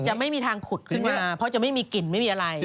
ไม่มีทางขุดขึ้นมาเพราะจะไม่มีกลิ่นไม่มีอะไร